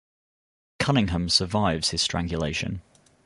Cunningham survives his strangulation.